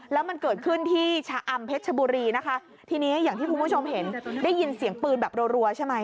แล้วมันเกิดขึ้นที่ชะอำเพชรชบุรีนะคะทีนี้อย่างที่คุณผู้ชมเห็นได้ยินเสียงปืนแบบรัวใช่ไหม